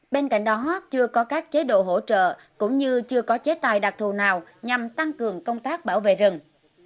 bên cạnh đó chưa có các chế độ hỗ trợ cũng như chưa có chế tài đặc thù nào nhằm tăng cường công tác bảo vệ rừng